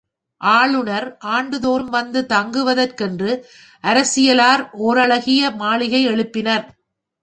ஆளுநர் ஆண்டுதோறும் வந்து தங்குவதற்கென்று அரசியலார் ஓரழகிய மாளிகை எழுப்பினர்.